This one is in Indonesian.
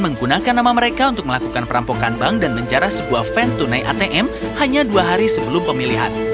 menggunakan nama mereka untuk melakukan perampokan bank dan menjara sebuah fan tunai atm hanya dua hari sebelum pemilihan